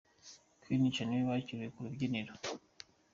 Queen Cha niwe wakiriwe ku rubyiniro.